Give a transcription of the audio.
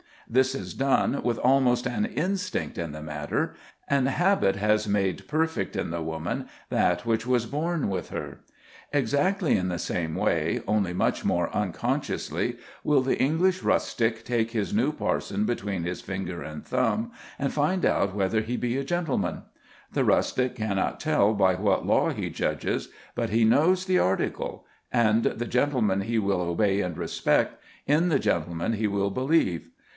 This is done with almost an instinct in the matter, and habit has made perfect in the woman that which was born with her. Exactly in the same way, only much more unconsciously, will the English rustic take his new parson between his finger and thumb and find out whether he be a gentleman. The rustic cannot tell by what law he judges, but he knows the article, and the gentleman he will obey and respect, in the gentleman he will believe.